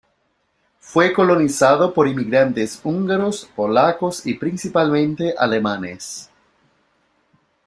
Fue colonizada por inmigrantes húngaros, polacos y principalmente alemanes.